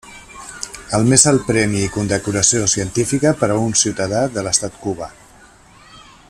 És el més alt premi i condecoració científica per a un ciutadà de l'estat cubà.